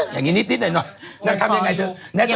อย่างนี้นิดหน่อยนางทำยังไงเธอ